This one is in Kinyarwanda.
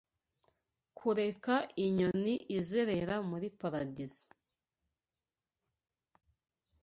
Kureka inyoni izerera muri paradizo